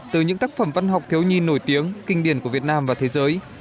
từ những tác phẩm văn học thiếu nhi nổi tiếng kinh điển của việt nam và thế giới